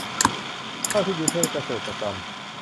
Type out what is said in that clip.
เช่าที่ดินเพื่อเกษตรกรรม